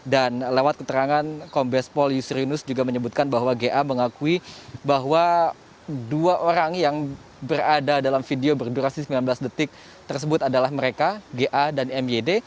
dan lewat keterangan kombespol yusri yunus juga menyebutkan bahwa ga mengakui bahwa dua orang yang berada dalam video berdurasi sembilan belas detik tersebut adalah mereka ga dan myd